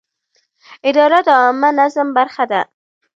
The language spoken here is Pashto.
اداره د عامه نظم برخه ده.